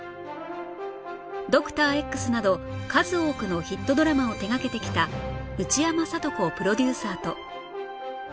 『Ｄｏｃｔｏｒ−Ｘ』など数多くのヒットドラマを手掛けてきた内山聖子プロデューサーと